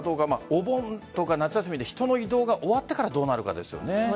お盆とか夏休みで人の移動が終わってからどうなるかですよね。